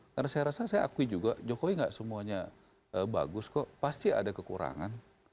karena saya rasa saya akui juga jokowi gak semuanya bagus kok pasti ada kekurangan